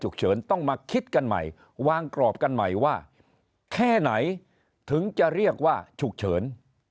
ต้องมาคิดกันใหม่วางกรอบกันใหม่ว่าแค่ไหนถึงจะเรียกว่าฉุกเฉิน